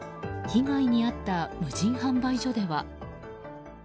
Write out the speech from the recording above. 被害に遭った無人販売所では。